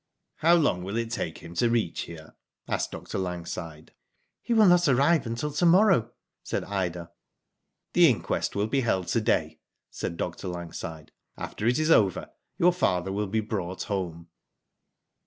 ''*' How long will it take him to reach here ?'' asked Dr. Langside. '* He will not arrive until to morrow," said Ida. "The inquest will be held to day,'* said Dr. Langside. " After it is over, your fathef" will be brought home."